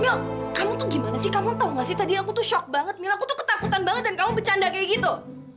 mil kamu tuh gimana sih kamu tau gak sih tadi aku tuh shock banget mil aku tuh ketakutan banget dan kamu bercanda kayak gitu